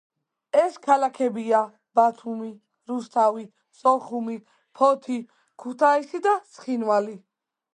ეს ქალაქებია: ბათუმი, რუსთავი, სოხუმი, ფოთი, ქუთაისი და ცხინვალი.